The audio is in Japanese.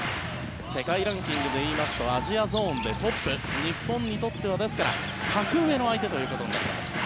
世界ランキングで言いますとアジアゾーンでトップ日本にとっては格上の相手となります。